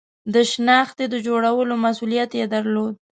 د شنختې د جوړولو مسئولیت یې درلود.